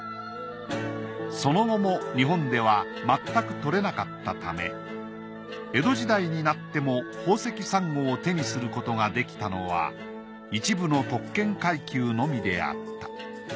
その後も日本ではまったく採れなかったため江戸時代になっても宝石サンゴを手にすることができたのは一部の特権階級のみであった。